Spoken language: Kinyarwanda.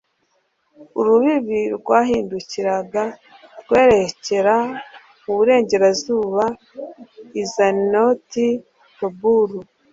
urubibi rwahindukiraga rwerekera mu burengerazuba i azinoti taboru